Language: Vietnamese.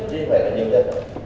chỉ phải là như thế